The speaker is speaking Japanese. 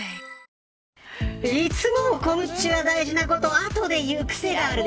いつもコムっちは大事なことは後で言うくせがあるね。